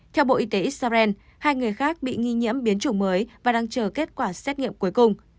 theo bộ y tế israel hai người khác bị nghi nhiễm biến chủng mới và đang chờ kết quả xét nghiệm cuối cùng